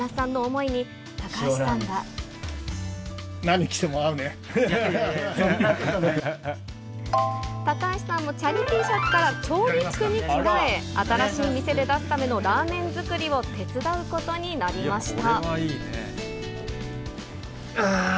いやいやいや、そんなことな高橋さんもチャリＴシャツから調理服に着替え、新しい店で出すためのラーメン作りを手伝うことになりました。